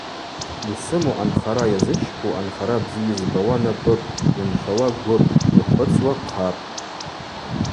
Йсыму анхара йазычпу, анхара бзи йызбауа напӏыпӏ, йымшвауа гвыпӏ, йхъвыцуа хъапӏ.